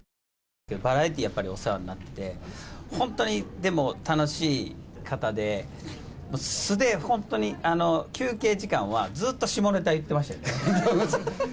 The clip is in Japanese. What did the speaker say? バラエティ、やっぱりお世話になって、本当に、でも、楽しい方で、素で本当に休憩時間はずっと下ネタ言ってましたよね。